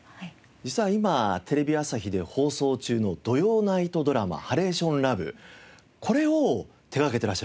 実は今テレビ朝日で放送中の土曜ナイトドラマ『ハレーションラブ』これを手掛けていらっしゃるわけですよね。